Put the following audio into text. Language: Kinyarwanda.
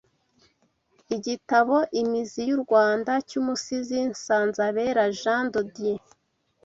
Igitabo Imizi y’u Rwanda cy’Umusizi Nsanzabera Jean de Dieu